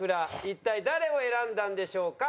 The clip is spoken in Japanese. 一体誰を選んだんでしょうか？